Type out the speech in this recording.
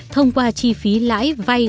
thông qua chi phí lãi vai